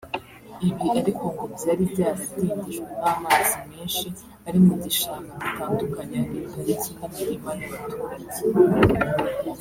Ibi ariko ngo byari byaradindijwe n’amazi menshi ari mu gishanga gitandukanya iyi pariki n’imirima y’abaturage